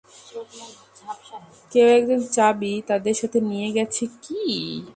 কেও একজন চাবি তাদের সাথে নিয়ে গেছে - কি?